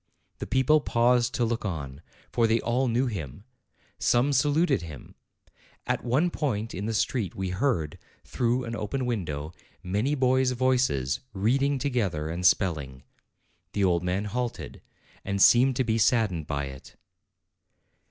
The people paused to look on, for they all knew him : some saluted him. At one point in the street we heard, through an open window, many boys' voices, reading together, and spelling. The old man halted, and seemed to be sad dened by it.